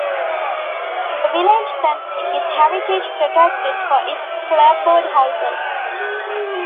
The village center is heritage-protected for its clapboard houses.